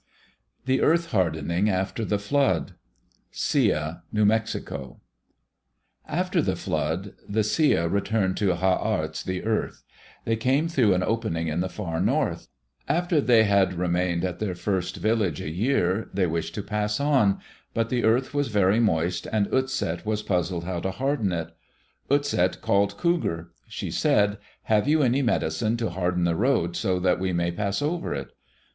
The Earth Hardening After the Flood Sia (New Mexico) After the flood, the Sia returned to Ha arts, the earth. They came through an opening in the far north. After they had remained at their first village a year, they wished to pass on, but the earth was very moist and Utset was puzzled how to harden it. Utset called Cougar. She said, "Have you any medicine to harden the road so that we may pass over it?"